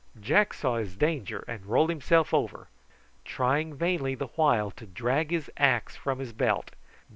Jack saw his danger and rolled himself over, trying vainly the while to drag his axe from his belt.